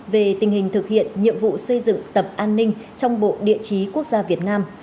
về tình hình thực hiện nhiệm vụ xây dựng tập an ninh trong bộ địa chí quốc gia việt nam